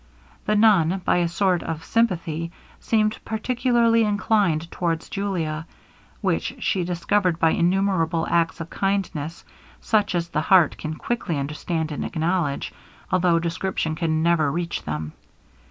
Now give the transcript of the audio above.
The nun, by a sort of sympathy, seemed particularly inclined towards Julia, which she discovered by innumerable acts of kindness, such as the heart can quickly understand and acknowledge, although description can never reach them.